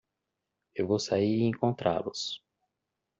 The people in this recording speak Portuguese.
Eu vou sair e encontrá-los!